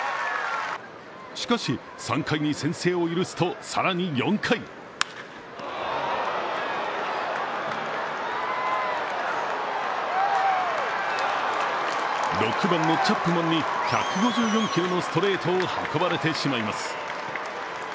しかし、３回に先制を許すと、更に４回６番のチャップマンに１５４キロのストレートを運ばれてしまいます。